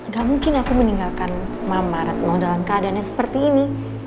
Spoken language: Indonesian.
gak mungkin aku meninggalkan mama retno dalam keadaan yang seperti ini